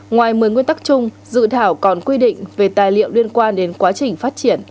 ngoài một mươi nguyên tắc chung dự thảo còn quy định về tài liệu liên quan đến quá trình phát triển